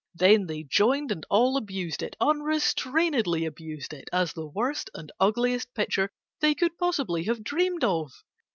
Then they joined and all abused it, Unrestrainedly abused it, As the worst and ugliest picture They could possibly have dreamed of.